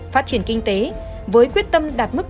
phát triển kinh tế với quyết tâm đạt mức